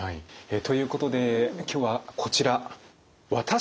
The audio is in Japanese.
ということで今日はこちら。